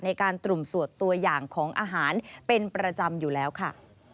ในการตุ่มสวดตัวอย่างของอาหารเป็นประจำอยู่แล้วค่ะ